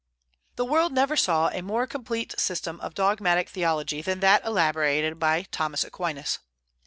The world never saw a more complete system of dogmatic theology than that elaborated by Thomas Aquinas.